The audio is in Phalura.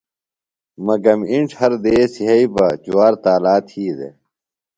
مگم اِنڇ ہر دیس یھئی بہ جُوار تالا تھی دےۡ۔